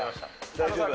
大丈夫？